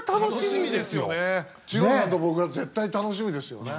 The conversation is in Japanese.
二朗さんと僕は絶対楽しみですよね。